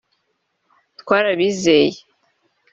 Twarabizeye